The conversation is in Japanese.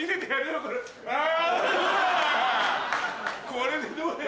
これでどうよ？